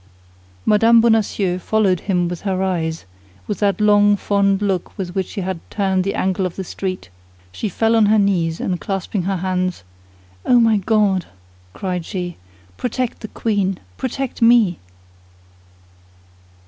Mme. Bonacieux followed him with her eyes, with that long, fond look with which he had turned the angle of the street, she fell on her knees, and clasping her hands, "Oh, my God," cried she, "protect the queen, protect me!"